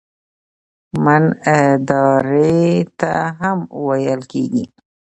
"من" ارادې ته هم ویل کیږي.